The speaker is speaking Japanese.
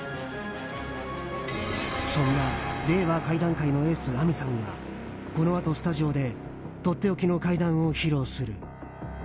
そんな令和怪談界のエースぁみさんがこのあとスタジオでとっておきの怪談を披露する。